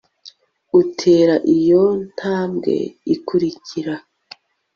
utera iyo ntambwe ikurikira